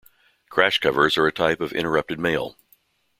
Crash covers are a type of interrupted mail.